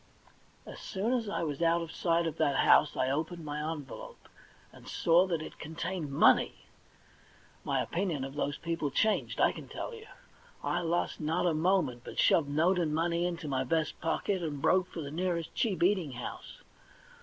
As soon as I was out of sight of that house I opened my envelope, and saw that it contained money ! My opinion of those people changed, I can tell you ! I lost not a moment, but shoved note and money into my vest pocket, and broke for the nearest cheap eating house.